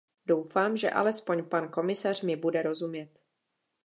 Doufám, že alespoň pan komisař mi bude rozumět.